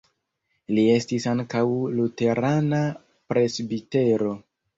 Li estis ankaŭ luterana presbitero.